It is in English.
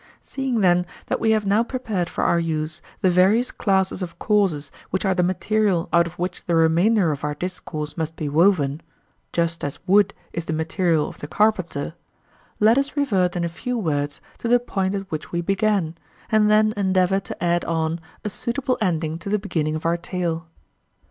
Seeing, then, that we have now prepared for our use the various classes of causes which are the material out of which the remainder of our discourse must be woven, just as wood is the material of the carpenter, let us revert in a few words to the point at which we began, and then endeavour to add on a suitable ending to the beginning of our tale.